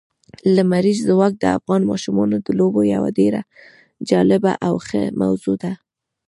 لمریز ځواک د افغان ماشومانو د لوبو یوه ډېره جالبه او ښه موضوع ده.